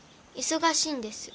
忙しいんです。